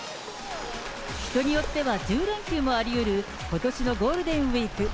人によっては１０連休もありうる、ことしのゴールデンウィーク。